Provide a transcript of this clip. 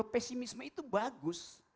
pesimisme itu bagus